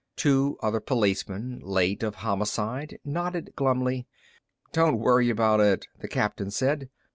Two other policemen, late of Homicide, nodded glumly. "Don't worry about it," the captain said.